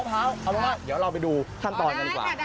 ขอบคุณมากเดี๋ยวเราไปดูขั้นตอนกันดีกว่า